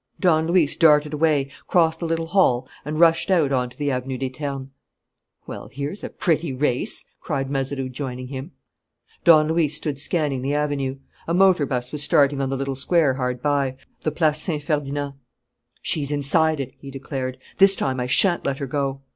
Don Luis darted away, crossed a little hall, and rushed out on to the Avenue des Ternes. "Well, here's a pretty race!" cried Mazeroux, joining him. Don Luis stood scanning the avenue. A motor bus was starting on the little square hard by, the Place Saint Ferdinand. "She's inside it," he declared. "This time, I shan't let her go."